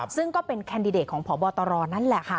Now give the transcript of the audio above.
ซึ่งก็เป็นแคนดิเดตของพบตรนั่นแหละค่ะ